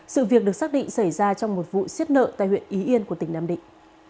sự việc được xác định xảy ra trong một vụ xiết nợ tại huyện ý yên của tỉnh nam định